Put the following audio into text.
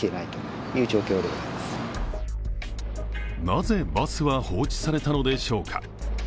なぜ、バスは放置されたのでしょうか。